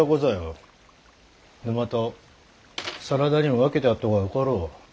沼田を真田にも分けてやった方がよかろう。